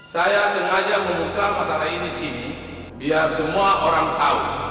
saya sengaja membuka masalah ini sih biar semua orang tahu